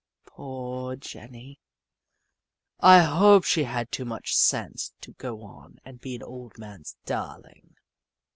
Poor Jenny ! I hope she had too much sense to go and be an old man's darling.